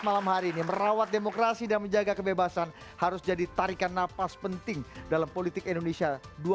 malam hari ini merawat demokrasi dan menjaga kebebasan harus jadi tarikan napas penting dalam politik indonesia dua ribu dua puluh